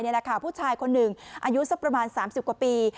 นี่แหละค่ะผู้ชายคนหนึ่งอายุสักประมาณ๓๐กว่าปี